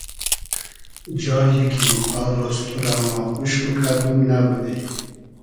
جای کی آر رۉز تو رۂ ما اوش موکئدوم نئبودی